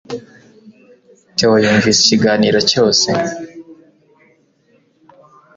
Theo yumvise ikiganiro cyose